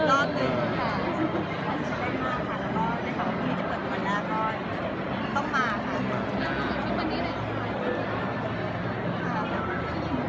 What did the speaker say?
ต้องมากดทุกวันนี้ได้